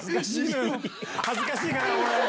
恥ずかしいから、俺。